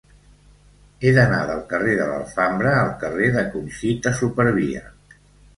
He d'anar del carrer de l'Alfambra al carrer de Conxita Supervia.